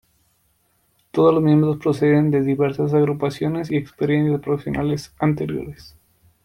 Todos los miembros proceden de diversas agrupaciones y experiencias profesionales anteriores.